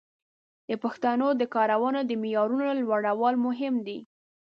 د پښتو د کارونې د معیارونو لوړول مهم دي.